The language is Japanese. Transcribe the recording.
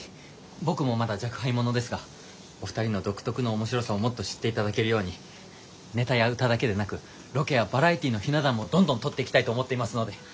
僕もまだ若輩者ですがお二人の独特の面白さをもっと知って頂けるようにネタや歌だけでなくロケやバラエティーのひな壇もどんどん取っていきたいと思っていますので。